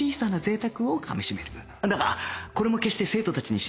だがこれも決して生徒たちに知られてはならない